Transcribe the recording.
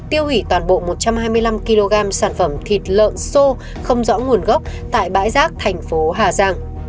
tiêu hủy toàn bộ một trăm hai mươi năm kg sản phẩm thịt lợn sô không rõ nguồn gốc tại bãi rác thành phố hà giang